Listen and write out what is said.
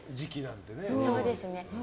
そうですね。